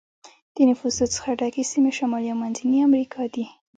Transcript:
د نفوسو څخه ډکې سیمې شمالي او منځنی امریکا دي.